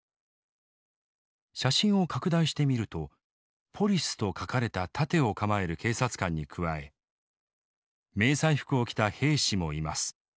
写真を拡大してみると「ポリス」と書かれた盾を構える警察官に加え迷彩服を着た兵士もいます。